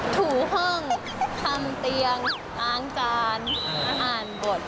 ถูห้องทำเตียงล้างจานอ่านบท